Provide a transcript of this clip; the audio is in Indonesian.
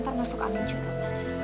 ntar masuk amin juga mas